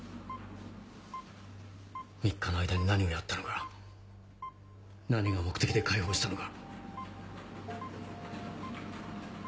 ３日の間に何をやったのか何が目的で解放したのか。